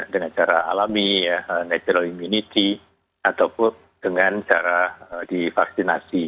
dengan cara alami natural immunity ataupun dengan cara divaksinasi